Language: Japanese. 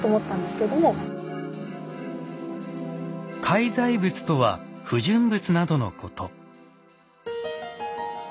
「介在物」とは不純物などのこと。